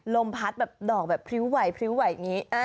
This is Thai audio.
ลมพัดดอกแบบพริ้วไหวแบบนี้